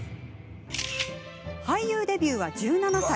俳優デビューは１７歳。